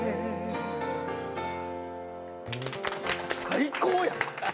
最高やん！